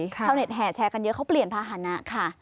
ชาวเน็ตแห่แชร์กันเยอะเขาเปลี่ยนภาษณะค่ะ